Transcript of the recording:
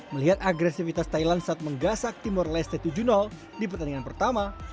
melihat agresivitas thailand saat menggasak timur leste tujuh di pertandingan pertama